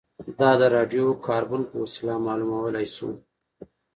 دا د راډیو کاربن په وسیله معلومولای شو